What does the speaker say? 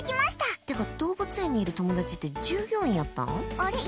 ってか、動物園にいる友達って従業員やったん？